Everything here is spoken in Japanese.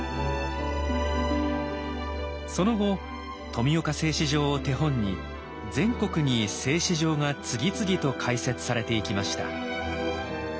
その後富岡製糸場を手本に全国に製糸場が次々と開設されていきました。